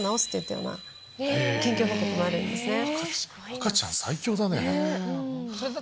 赤ちゃん最強だね。